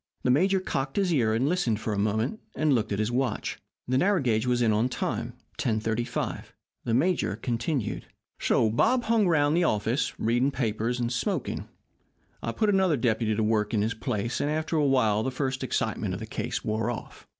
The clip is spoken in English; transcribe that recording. The major cocked his ear and listened for a moment, and looked at his watch. The narrow gauge was in on time 10.35. The major continued: "So Bob hung around the office, reading the papers and smoking. I put another deputy to work in his place, and after a while, the first excitement of the case wore off.